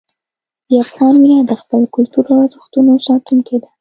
د افغان وینه د خپل کلتور او ارزښتونو ساتونکې ده.